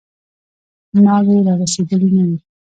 ناوې رارسېدلې نه وي.